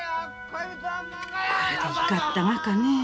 これでいかったがかね。